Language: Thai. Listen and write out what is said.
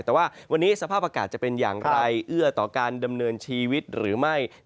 แต่ว่าวันนี้สภาพอากาศจะเป็นอย่างไรเอื้อต่อการดำเนินชีวิตหรือไม่